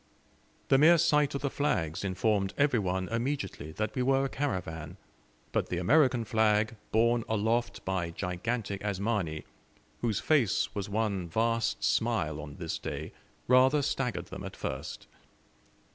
The mere sight of the flags informed every one immediately that we were a caravan, but the American flag borne aloft by gigantic Asmani, whose face was one vast smile on this day, rather staggered them at first.